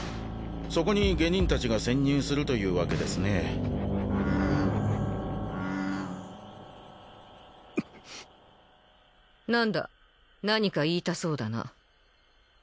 そこに下忍達が潜入するというわけですね何だ何か言いたそうだな